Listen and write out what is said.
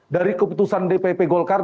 dari keputusan dpp golkar